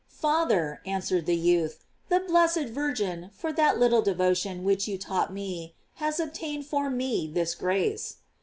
"Father," answered the youth, "the blessed Virgin, for that little devo tion which you taught me, has obtained for me this grace."